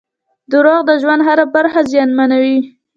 • دروغ د ژوند هره برخه زیانمنوي.